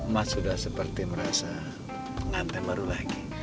mas sudah seperti merasa ngantai baru lagi